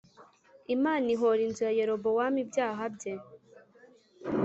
Imana ihōra inzu ya Yerobowamu ibyaha bye